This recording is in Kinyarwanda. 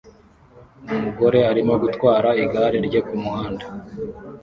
Umugore arimo gutwara igare rye kumuhanda